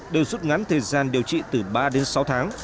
đều suốt ngắn thời gian điều trị từ ba đến sáu tháng